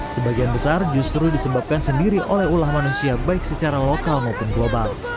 sebagian besar justru disebabkan sendiri oleh ulah manusia baik secara lokal maupun global